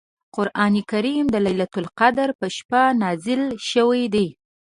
قران کریم د لیلة القدر په شپه نازل شوی دی .